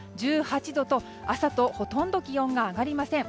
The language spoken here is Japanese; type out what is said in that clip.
１８度と、朝とほとんど気温が上がりません。